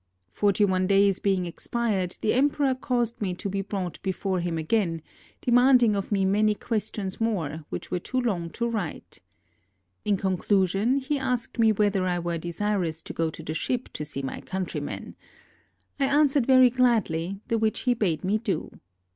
Forty one days being expired, the em peror caused me to be brought before him again, de manding of me many questions more, which were too long to write. In conclusion he asked me whether I were desirous to go to the ship to see my countrymen. I answered very gladly, the which he bade me do.